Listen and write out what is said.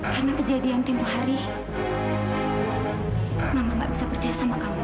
karena kejadian tempoh hari mama nggak bisa percaya sama kamu taufan